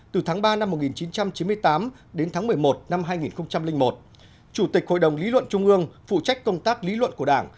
từ tháng ba năm một nghìn chín trăm chín mươi tám đến tháng một mươi một năm hai nghìn một chủ tịch hội đồng lý luận trung ương phụ trách công tác lý luận của đảng